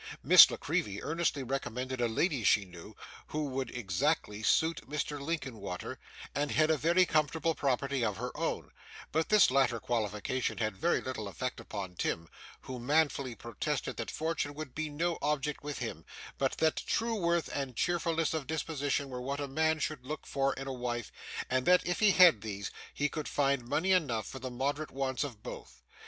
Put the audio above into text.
Miss La Creevy earnestly recommended a lady she knew, who would exactly suit Mr. Linkinwater, and had a very comfortable property of her own; but this latter qualification had very little effect upon Tim, who manfully protested that fortune would be no object with him, but that true worth and cheerfulness of disposition were what a man should look for in a wife, and that if he had these, he could find money enough for the moderate wants of both.